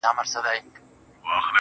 د گريوان ډورۍ ته دادی ځان ورسپاري,